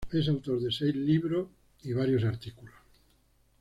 Es autor de seis libros y varios artículos.